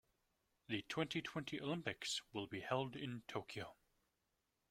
The twenty-twenty Olympics will be held in Tokyo.